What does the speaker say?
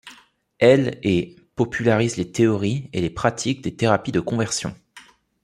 Elle et popularisent les théories et les pratiques des thérapies de conversion.